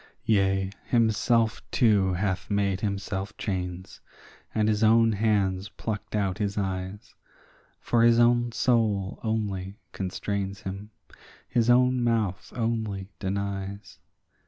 Yea, himself too hath made himself chains, and his own hands plucked out his eyes; For his own soul only constrains him, his own mouth only denies.